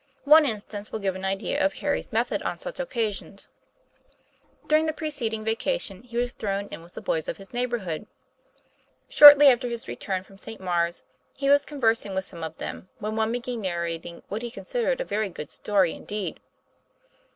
One instance will give an idea of Harry's method on such occasions, 2i8 TOM PLAY FAIR. During the preceding vacation he was thrown in with the boys of his neighborhood. Shortly after his return from St. Maure's, he was conversing with some of them, when one began nar rating what he considered a very good story indeed.